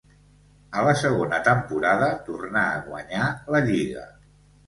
A la segona temporada tornà a guanyar la lliga.